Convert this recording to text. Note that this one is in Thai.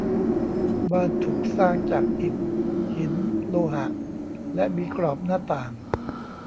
บ้านถูกสร้างจากอิฐ หิน โลหะ และมีกรอบหน้าต่าง